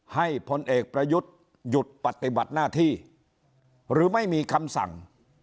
พลเอกประยุทธ์หยุดปฏิบัติหน้าที่หรือไม่มีคำสั่ง